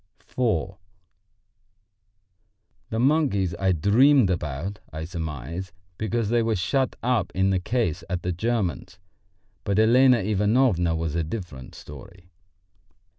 IV The monkeys I dreamed about, I surmise, because they were shut up in the case at the German's; but Elena Ivanovna was a different story.